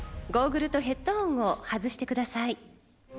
ゴーグルとヘッドホンを外してください。